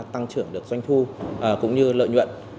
tăng trưởng được doanh thu cũng như lợi nhuận